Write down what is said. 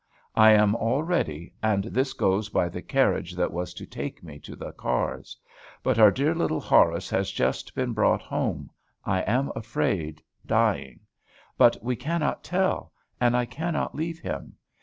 I am all ready, and this goes by the carriage that was to take me to the cars. But our dear little Horace has just been brought home, I am afraid, dying; but we cannot tell, and I cannot leave him.